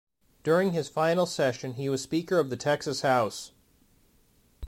During his final session, he was Speaker of the Texas House.